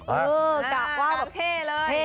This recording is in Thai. เออกะว่าแบบเท่เลย